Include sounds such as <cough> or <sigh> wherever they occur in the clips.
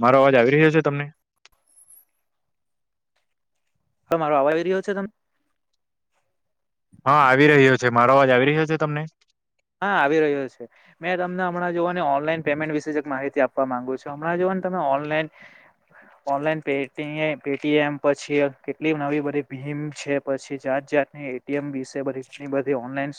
મારો અવાજ આવી રહ્યો છે તમને હવે મારો આવા આવી રહ્યો છે તમ હા આવી રહ્યો છે મારો અવાજ આવી રહ્યો છે તમને હા આવી રહ્યો છે મેં તમને હમણાં જોવો ને ઓનલાઈન પેમેન્ટ વિશે જ માહિતી આપવા માંગુ છુ હમણાં જો પણ તમે online online Paytm પછી કેટલી નવી બધી ભીમ છે પછી છે જ ને એ ટી એમ વિશે બઘી ઓનલાઈન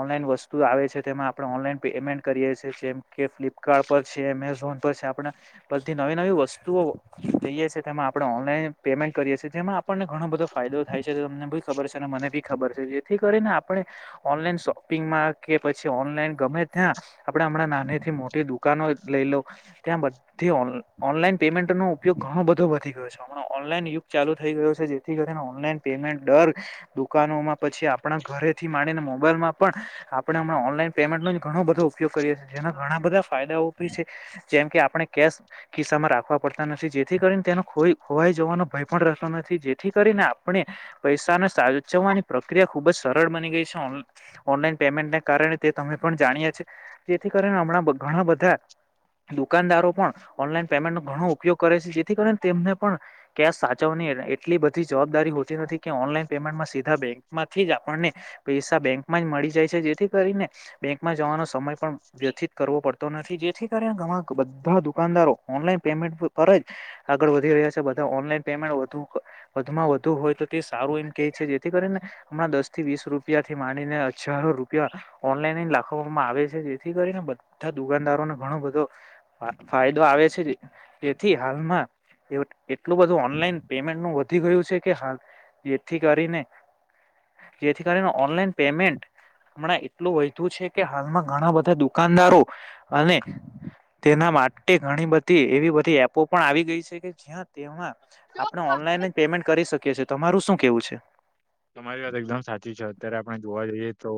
ઓનલાઇન વસ તુ આવે છે તેમાં આપણે ઓનલાઈન પેમેન્ટ કરીએ છીએ જેમ કે ફ્લિપકાર્ટ પર છે એમેઝોન પર છે આપણે બધી નવી નવી વસ્તુઓ જઈએ છે તેમાં આપણે ઓનલાઈન પેમેન્ટ કરીએ છે જેમાં આપણને ઘણો બધો ફાયદો થાય છે તો તમને બી ખબર છે ને મને બી ખબર છે જેથી કરીને આપણે ઓનલાઈન શોપિંગમાં કે પછી ઓનલાઈન ગમે ત્યાં આપડે હમણાં નાની થી મોટી દુકાનો લઈ લો ત્યાં બ ઘી ઓન્લ ઓનલાઈન પેમેન્ટ નો ઉપયોગ ઘણો બધો વધી ગયો છે હમણાં ઓનલાઈન યુગ ચાલુ થઈ ગયો છે જેથી કરીને ઓનલાઇન પેમેન્ટ ડર દુકાનોમાં પછી આપણા ઘરેથી માડીને મોબાઈલમાં પણ આ પણા ઓનલાન પેમેન્ટ ન ઘણો બધો ઉપયોગ કરીએ છે જેના ઘણા બધા ફાયદાઓ છે જેમ કે આપણે કે કેશ કિસ્સામાં રાખવા પડતા નથી જેથી કરીને તેનો ખોવાઈ જવાનો ભય પણ રહેતો નથી જેથી કરીને આપણે પૈસાને સાચવાની પ્રક્રિયા ખુબ જ સરળ બની ગઈ છે ઓન્લ ઓનલાઈન પેમેન્ટના કારણે તે તમે પણ જાણીએ છે જેથી કરીને હમણાં બ ઘણા બધા દુકાનદારો પણ ઓનલાઈન પેમેન્ટ નો ઘણો ઉપયોગ કરે છે જેથી કરીને તેમને પણ કેશ સાચવ ને એટલી બધી જવાબદારી હોતી નથી કે ઓનલાઈન પેમેન્ટમાં સીધા બેંકમાંથી જ આપણને પૈસા બેક મા મળી જાય છે જેથી કરીને બેંકમાં જવાનો સમય પણ વ્યિત કરવો પડતો નથી જેથી કરીને ઘ બધા દુકાન ના રો ઓનલાઇન પેમેન્ટ ઉપરજ આગળ વધી રહ્યા છે બધાય ઓનલાઇન પેમેન્ટ વધુ વધમાં વધુ. તો હોય તે સારું એમ કે છે જેથી કરીને હમણાં દસથી વીસ રૂપિયા થી મામાંડીને હજારો ર ઓનલાઈન લખવામાં આવે છે જેથી કરીને બધા દુકાનદારો ને ઘણો બધો ફાયદો આવે છે તેથી હાલમાં એટલું બધું ઓનલાઈન પેમેન્ટ નું વધી ગયું છે કે હાલ જેથી કરીને જેથી કરીને ઓનલાઈન પેમેન્ટ હમણાં એટલું વધું છે કે હાલમાં ઘણા બધા દુકાનદારો અને તેના માટે માટે ઘણી બધી એવી બધી એપો પણ આવી ગઈ છે કે જ્યાં તેમાં જો આપણે આપડે ઓનલાઈન જ પેમેન્ટ કરી શકીએ છે તમારું શું કેવું છે. તમારી વાત એકદમ સાચી છે અત્યારે આપણે જોવા જઈએ તો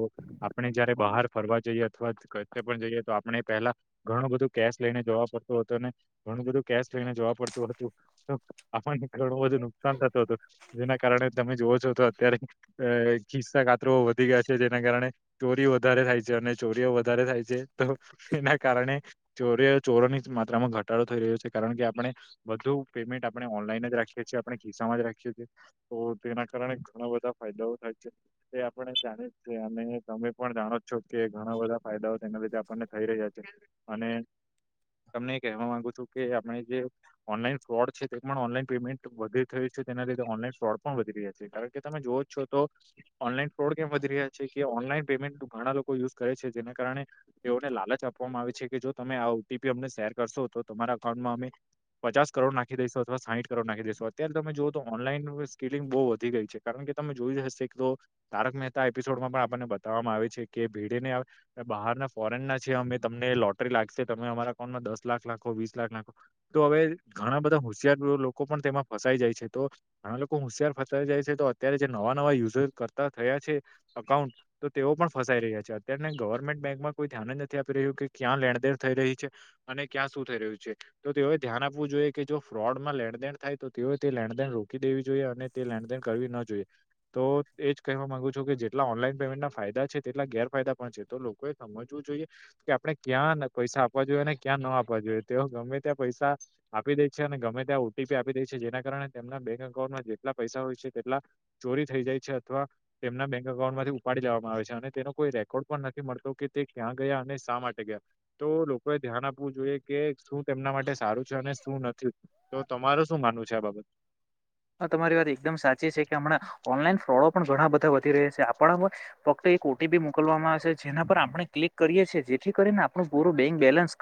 આપણે જયારે બહાર ફરવા જઈએ અથવા કયક પણ જઈએ તો આપણે પહેલા ઘણું બધું કેશ લઈને જોવા પડતું હત ને. ઘણું બધું કેશ લઈને જોવા પડતું હતું તો આપણને ઘણું બધુ નુકસાન થતું હતું જેના કારણે તમે જોવો છો તો. અત્યારે અ ખિસ્સા કાતરો વધી ગયા છે જેના કારણે ચોરી વધારે થાય છે અને ચોરીઓ વધારે વધારે છે તો એના કારણે ચોરી ચોરોની માત્રામાં ઘટાડો થઈ રહ્યો છે કારણ કે આપણે વધું પેમેન્ટ આપણે ઓનલાઈન જ રાખીએ છીએ આપણે કિસ્સામાં જ રાખીએ છીએ તો તેના કારણે ગણા બધા ફાયદાઓ થાય છે તે આપણે જાણી છીએ અને તમે પણ જાણો જો કે ઘણા બધા ફાયદાઓ તેના લીધે આપણને થઈ રહ્યા છે અને <inaudible> તમને કહેવા માંગુ છુ કે આપણે જે ઓનલાઈન ફ્રોડ છે તે પણ ઓનલાઈન પેમેન્ટ વધુ થયું છે. લીધક ફોડ પણ વધી રહ્યા છે કે તમે જોવો જ છો તો ઓનલાઈન ફ્રોડ કેમ વધી રહ્યા છે કે ઓનલાઈન પેમેન્ટ ઘણા લોકો યુઝ કરે છે જેને કારણે એઓને લાલચ આપવામાં આવે છે કે જો તમે આવું ટી અમને શેર કરશો તો તમારા અકાઉન્ટમાં અમે પચાસ કરોડ નાખી દઈશો. એવા સાઈઠ કરોડ નાખી દેેશો અત્યારે તમે જુઓ તો ઓનલાઈન સ્કીિલિંગ બહુ વધી ગઈ છે. કારણ કે તમે જોયું હશે તો તારક મહેતા એપિસોડમાં પણ આપને બતાવવામાં આવે છે કે ભીડેને બહાર ના ફોરેન ના છે અમે તમને લોટરી લાગશે તમે અમારા અકાઉન્ટમાં દસ લાખ નાખો વીસ લાખ લખો તો હવે ઘણા બધા હોશિયાર લો લોકો પણ તેમાં ફસાઈ જાય છે તો ઘણા લોકો હોશિયાર ફસાય જાય છે તો અત્યારે જે નવા નવા યુઝર કરતા થયા છે અકાઉન્ટ તો તેઓ પણ ફસાઈ રહ્યા છે અત્યને ગવર્મેન્ટ બેકમાં કોઈ ધ્યાન જ નથી આપી રહ્યું કે ક્યાં લેણદેન થઈ રહી છે અને ક્યાં શું થઈ રહ્યું છે તો તેઓ ધ્યાન અને આપવું જોઈએ કે જો ફ્રોડમાં લેણદેણ થાય તો તેઓ તે લેણદેન રોકી દેવી જોઈએ અને તે લેણદેન કરવી ન જો જોઈએ તો એ જ કેવા માંગુ છો કે જેટલા ઓનલાઈન પેમેન્ટના ફાયદા છે તેટલા ગેરફાયદા પણ છે તો લોકો સમજવું જોઈએ કે આપણે ક્યાં પૈસા આપવા જોઈએ ને ક્યાં ન આપવા જોઈએ તેઓ ગમે ત્યાં પૈસા આપી દે છે અને ગમે ત્યાં ઓ ટી પી આપી દે છે જેના કારણે તેમના બેંક અઉન્ટમાં જેટલા પૈસા હોય છે તેટલા ચોરી થઈ જાય છે અથવા તેમના બેંક અકાઉન્ટમાંથી ઉપાડી લેવામાં આવે છે અને તેનો કોઈ રેકોર્ડ પણ નથી મળતો કે તે ક્યાં ગયા અને શા માટે ગયા તો લોકોએ ધ્યાન આપવું જોઈએ કે શું તેમના માટે સારું છે. ને શું નથી તો તમારું શું માનવું છે આ બાબત હ તમારી વાત એકદમ સાચી છે કે હમણાં ઓનલાઇન ફોડ પણ ઘણા બધા વધ <unintelligible> છે આપણા પર ફક્ત એક ઓ ટી પી મોકલવામાં આવેશે જેના પર આપણે ક્લિક કરીએ છીએ જેથી કરીને આપનો પૂરું બેંક બેલેન્સ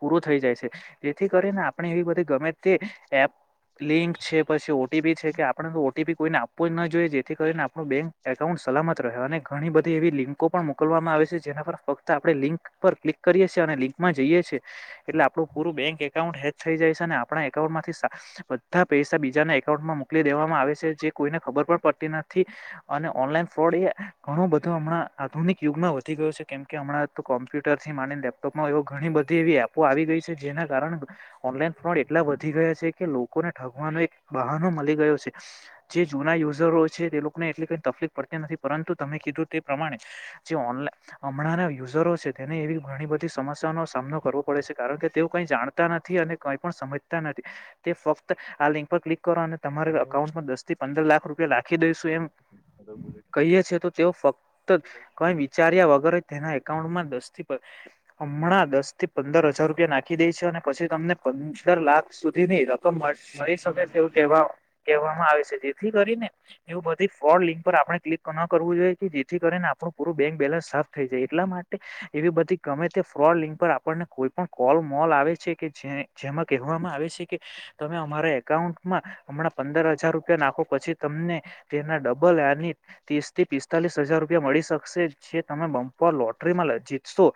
પૂરું થઈ જાય છે જેથી કરીને આપણે એવી બધી ગમે તે એપ લિંક છે પછી ઓ ટી પી છે કે આપણે તો તે ભી કોઈને આપવું જ ન જોઈએ જેથી કરીને આપણું બેંક એકાઉન્ટ સલામત રહે અને ઘણી બધી એવી લિંકો પણ મોકલવા આપવામાં આવે જેના પર ફક્ત આપણે લિંક પર ક્લિક કરીએ છી અને લિંકમાં જઈએ છએ એટલે આપણું પૂરું બેંક એકાઉન્ટ હેચ થઈ જાય છેને. આપણા એકાઉન્ટમાંથી બધા પૈસા બીજાને એકાઉન્ટમાં મોકલી દેવામાં આવે છે જે કોઈને ખબર પણ પડતી ન થી અને ઓનલાન ફ્રોડ એ ઘણું બધો હમણાં આધુનિક યુગમાં વધી ગયો છે કેમકે હમણાં કોમ્પ્યુટરથી માંડીને લેપટોપમાં એવું ઘણી બધી એવી એપો આવી ગઈ છે જેના કારણે ઓનલાઈન ફ્રોડ એટલા વધી ગયા છે કે લોકોને ઠગવાનો એક બહાનો મલી ગયો છે જે જૂના યુઝરો છે તે લોકોને એટલી કઈ તકલીફ પડતી નથી પરંતુ તમે કીધું તે પ્રમાણે જે ઓનલાઈ હમણાંના યુઝરો છે તેને એવી ઘણી બધી સમસ્યાઓનો સામનો કરવો પડે છે કારણ કે તેઓ કઈ જાણતા નથી અને કઈ પણ સમજ તા નથી તે ફક્ત આ લિંક પર ક્લિક કરો અને તમારે અકાઉન્ટમાં દસ થી પંદર લાખ રૂપિયા લાખી દઈશું એવુ કહીએ છે તો તેઓ ફક્ત કઈ વિચાર્યા વગર તેના એકાઉન્ટમાં દસથી પ હમણાં દસ થી પંદર હજાર રૂપિયા નાખી દેય છે અને પછી તમને પં દર લાખ સુધીની રકમ મળ મળી શકે તેવું કેવા કહેવામાં આવે છે જેથી કરીને એવું બધી ફ્રોડ લિંક પર આપણે ક્લિક ન કરવું જોઈએ કે જેથી કરીને આપણું પૂરું બેંક બેલેન્સ સાફ થઈ જાય એટલા મા એવી બધી ગમે તે ફ્રોડ લિંગ પર આપણને કોઈ પણ કોલ મોલ આવે છે કે જેમાં કહેવામાં આવે છે કે તમે અમારા એકાઉન્ટમાં હમણાં પંદર હજાર રૂપિયા નાખો પછી તમને તેના ડબલ એની ત્રીસ થી પિસ્તાલીસ હજાર રૂપિયા મળી શક શે જે તમે બ લોટરીમાં જીતશો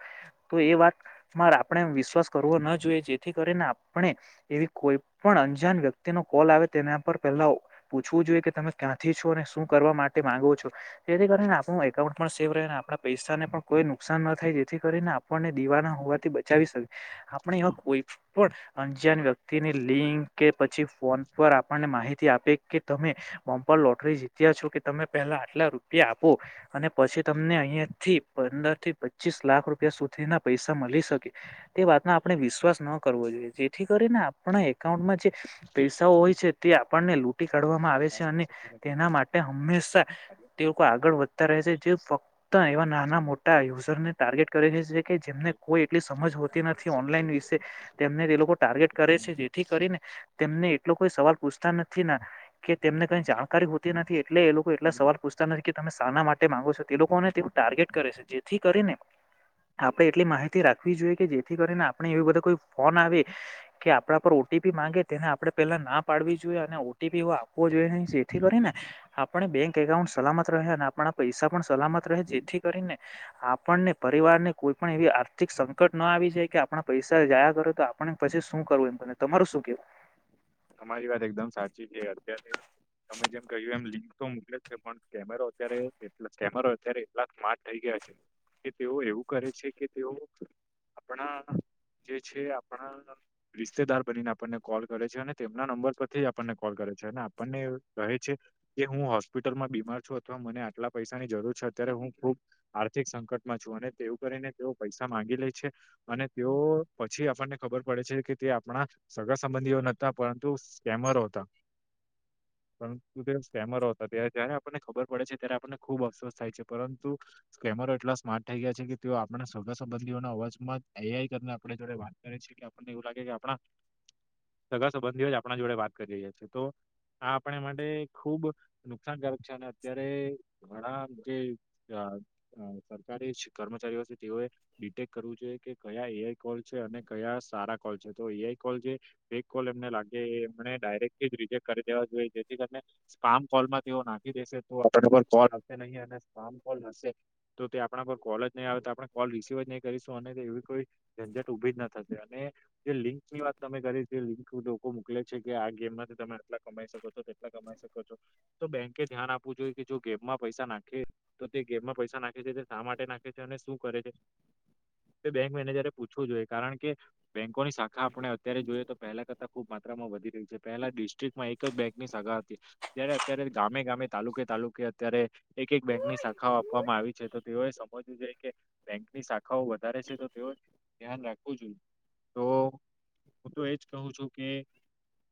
તો એ વાતમાં આપણે વિશ્વાસ કરો વો ન જોઈએ જેથી કરીને આપ પણે એવી કોઈ પણ અંજાન વ્યક્તિ નો કોલ આવે તેના પર પેલા પૂછવું જોઈએ કે તમેં ક્યાં થી છો ને શું કરવા માટે માંગો છો તેથી આપણુ એકાઉન્ટ પણ સેવ રહે આપણા પૈસાને પણ કોઈ નુ નુકસાન ન થાય જેથી કરીને આપણને દીવાના હોવાથી બચાવી શકે આપણે એ કોઈ પણ અંજાન વ્યક્તિની લિંક કે પછી ફોન પર આપણને માહિતી આપે કે તમે બમ્પ લોટરી જીત્યા છો કે તમે પહેલા આટલા રૂપિયા આપો અને પછી તમને અહીયાં થી પંદર થી પચીસ લાખ રૂપિયા સુધી ના પૈસા મલી શકે તે વાતનો આપણે વિશ્વાસ ન કરવો જોઈએ જેથી કરીને આપણા એકાઉન્ટમાં જે પૈસાઓ હોય છે તે આપણને લૂટી કાઢવામાં આવે છે અને તેના માટે હંમેશા તે લોકો આગળ વધતા રહે છે જે ફક્ત એવા નાના મોટા યુઝર ને ટાર્ગેટ કરે છે કે જેમને કોઈ એટલી સમજ હોતી નથી ઓનલાઈન વિશે તેમને તે લોકો ટાર્ગેટ કરે છે જેથી કરીને તેમને એટલો કોઈ સવાલ પૂછતા નથી ના કે તેમને કઈ જાણકારી હોતી નથી એટલે એ લોકો એટલા સવાલ પૂછતા નથ કે તમે શાના માટે માંગો છો તે લોકોને તેવું ટાર્ગેટ કરે છે જેથી કરીને આપડે એટલી માહિતી રાખવી જોઈએ કે જેથી કરીને આપણે એવ બધા કોઈ ફોન આવે કે આપડા પર ઓટીપી માંગે તેને આપડે પેલા ના પાડવી જોઈએ અને ઓ ટી પી એ આપવો જોઈએ નહી જેથી કરીને આપણે બેંક એકાઉન્ટ સલામત રહે અને આપણા પૈસા પણ સલામત રહે જેથી કરીને આપન ને પરિવાર ને કોઈ પણ એવી આર્થિક સંકટ ના આવી છે કે આપણા પૈસા જાયા કરો તો આ પણ પછી શું કરવું એ તમારું શું કેવું? તમારી વાત એકદમ સાચી છે અત્યારે તમે જેમ કહ્યું એમ લિંક તો મોકલે છે પણ કેમેરો અત્યારે કેટલો કેમેરો અત્યારે એટલા સ્માર્ટ થઈ ગયા <unintelligible> કે તેઓ એવું કરે છે કે તેઓ આપણા જે છે આપણા રિશ્તેદાર બનીને આપણને કોલ કરે છે અને તેમના નંબર પરથી જ આપણને કોલ કરે છે અને આપણને કહે છે કે હું હોસ્પિટલમાં બીમાર છું અથવા મને આટલા પૈસાની જરૂર છે અત્યારે હું ખુબ આર્થિક સંકટમાં છું અને તેવું કરીને તેઓ પૈસા માંગી લે છે અને તેઓ પછી આપણને ખબર પડે છે કે તે આપણા સગા સંબંધીઓ ન તા પરંતુ સ્કેમરો અતા <inaudible> પરંતુ તે સ્કેમરો અતા ત જયારે આપણને ખબર પડે છે ત્યારે આપણને ખુબ અફસોસ થાય છે પરંતુ સ્કે મરો એટલા સ્માર્ટ થઈ ગયા છે કે તેઓ આપ સવગા સંબંધીઓના અવાજમાં જ આઈ આઈ કરને આપડા જોડે વાત કરે છે <unintelligible> લાગે કે આપણા <inaudible> સગા સંબંધીઓ જ આપણા જોડે વાત કરી રહ્યા છીએ તો આ આપણે માટે ખુબ નુકસાનકારક છે ને અત્યારે ઘણા જે અ અ સરકારી કર્મચારીઓ છે તેઓએ ડિટેક્ટ કરવું જોઈએ કે કયા એ આઈ કોલ છે અને કયા સારા કોલ છે તો એ આઈ કોલ જે જે કોલ એમને લાગે એ એમણે ડાયરેક્ટ થી રિજેક્ટ કરી દેવા જોઈએ જેથી કરીને સ્પામ કોલમાં તેઓ ના ખી દેશે તો આપણને કોલ કોલઆવશે નઈ અને સ્પામ કોલ હશે તો તે આપણા પર કોલ જ નઈ આવે તો આપણે કોલ રિસીવ જ નહી કરીશું અને એવી કોઈ ઝંઝટ ઉભી જ ના થશે અને જે લિંકની વાત તમે કરી જે લિંક <unintelligible> મોકલે છે કે આ ગેમમાંથી તમે આટલા કમાઈ શકો છો, તેટલા કમાઈ શકો છો, તો બેંકે ધ્યાન આપવું જોઈએ કે જો ગેમમાં પૈસા નાખીએ તો તે ગેમમાં પૈસા નાખે છે તે શા માટે નાખે છે અને શું કરે છે <inaudible> તે બેંક મેનેજરે પૂછવું જોઈએ કારણ કે બેંકોની શાખા આપણે અત્યારે જોઈએ તો પહેલા કરતા ખુબ માત્રામાં વધી રહી છે પહેલા ડિસ્ટ્રિક્ટમાં એક જ બેંકની શાખા હતી જ્યારે અત્યારે ગામે ગામે તા તાલુકે તાલુકે અત્યારે એક એક બેંકની શાખાઓ આપવામાં આવી છે, તો તેઓએ સમજવું જોઈએ કે બેંકની શાખાઓ વધારે છે તો તેઓએ ધ્યાન રાખવુ જોઈએ, તો હું તો એજ કહું છું કે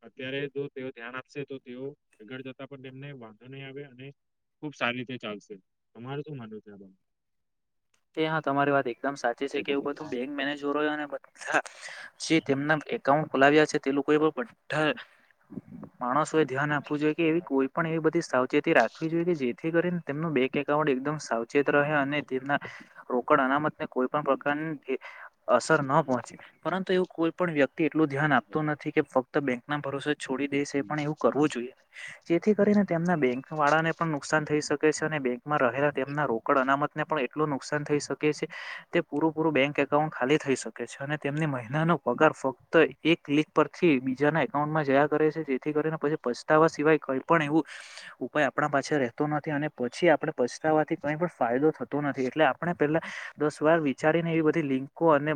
અત્યારે જો તેઓ ધ્યાન આપશે તો તેઓ આગળ જતા પણ તેમને વાંધો નઈ આવે અને ખુબ સારી રીતે ચાલશે, તમારે શું માનવું છે આ બાબતમાં? તે હા તમારી વાત એકદમ સાચી છે કે એવું બધું બેંક મેનેજરોએને બધા જે તેમના એકાઉન્ટ ખોલાવ્યા છે તે લોકોએ પણ બઢા માણસ ધ્યાન આપવું જોઈએ કે એવી કોઈ પણ એવી બધી સાવચેતી રાખવી જોઈએ કે જેથી કરીને તેમનુ બેંક એકાઉન્ટ એકદમ સાવચેત રહે અને તેમના રોકડ અનામતને કોઈ પણ પ્રકારન કે અસર ન પહોંચે, પરંતુ એવું કોઈ પણ વ્ય ક્તિ એટલું ધ્યાન આપતુ નથી કે ફક્ત બેંકના ભરોસે જો છોડી બીજા દેશે પણ એવું કરવું જોઈએ જેથી કરી ને તેમના બેંક વાળાને પણ નુકસાન થઈ શકે છે અને બેંકમાં રહેલા તેમના રોકડ અનામતને પણ એ ટલું નુકસાન થઈ શકે છે, તે પૂરુ પૂરું બેંક એકાઉન્ટ ખાલી થઈ શકે છે અને તેમને મહિનાનો પગાર ફક્ત એક ક્લિક પરથી બીજાના એકાઉન્ટમાં જયા કરે છે જેથી કરીને પછી પછતાવા સિવાય કઈ પણ એવું ઉપાય આપણા પાછે રહેતો નથી અને પછી આપણે પછતાવાથી કઈ પણ ફાયદો થ તો નથી એટલે આપણે પેલ્લા દસ વાર વિચારીને એવી બધી લિંકો અને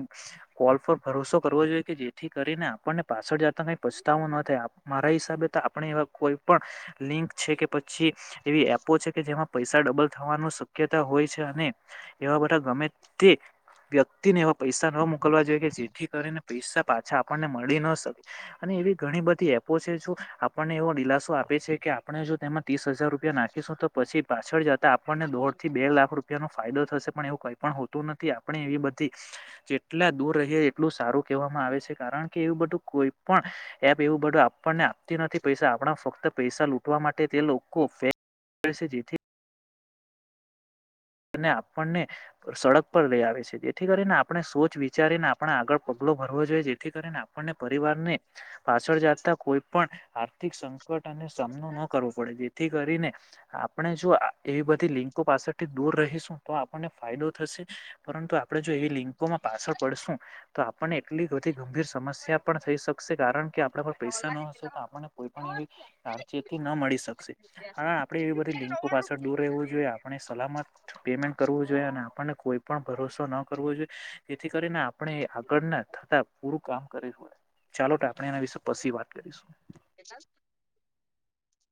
કોલ પર ભરોસો કર વો જોઈએ કે જેથી કરીને આપણને પાછળ જાતા કંઈ પછતાવો ન થાય, અ મારા હિસાબે તો આપણે એવા કોઈ પણ લિંક છે કે પછી એવી એપો છે કે જેમાં પૈસા ડબલ થવાનું શક્યતા હોય છે અને એવા બધા ગમે તે વ્યક્તિને એવા પૈસા ન મોકલવા જોઈએ કે જેઠી કરીને પૈસા પાછા આપણને મળી ન શકે અને એવી ઘણી બધી એપો છે જો આપણને એવો દિલાસો આપે છે કે આપણે જો તેમાં તીસ હજાર રૂપિયા નાખીશું તો પછી પાછળ જતા આપણને દોઢથી બે લાખ રૂપ ફાયદો થશે પણ એવું કંઈ પણ હોતું નથી, આપણે એવી બધી જેટલા દૂર રહીએ એટલું સારું કેવા મા આવે છે, કારણ કે એવું બધું કોઈ પણ એપ એવું બઢુ આપણને આપતી નથી પૈસા આપણા ફક્ત પૈસ્ સા લૂટવા માટે તે લોકો <unintelligible> કરે છે જેથી અને આપણને સડક પર લઈ આવે છે જેથી કરીને આપણે સોચ વિચારીને આપણા આગળ પગલું ભરવો જોઈએ જેથી કરીને આપણને પરિવારને પાછળ જાતા કોઈ પણ આર્થિક સંકટ અને સામનો ન કરવો પડે જેથી કરીને આપણે જો એવી બધી લિંકો પાસેથી રહીશું તો આપને ફાયદો થશે પરંતુ આપણે જો એવી લિંકોમાં પાછળ પડશું તો આપણને એટલી બધી ગંભીર સમસ્યા પણ થઈ શકશે કારણ કે આપણા પર પૈસા ન હશે તો આપણને કોઈ પણ એવી સાવચેતી ન મળી શકશે આપણે એવી બધી લિંકો પાછળ દૂર રહેવું જોઈએ આપણે સલામત પેમેન્ટ કરવું જોઈએ અને આપણને કોઈ પણ ભરોસો ન કરવો જોઈએ જેથી કરીને આપણે આગળના થતા પૂરું કામ કરું હોય ચાલો તો આપણે એના વિશે પછી વાત કરીશું